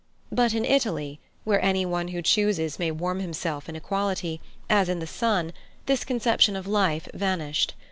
But, in Italy, where any one who chooses may warm himself in equality, as in the sun, this conception of life vanished.